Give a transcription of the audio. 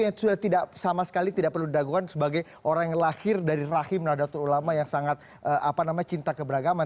dan itu sudah tidak sama sekali tidak perlu didagukan sebagai orang yang lahir dari rahim radhatul ulama yang sangat apa namanya cinta keberagaman